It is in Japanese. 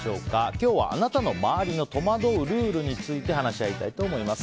今日はあなたの周りの戸惑うルールについて話し合いたいと思います。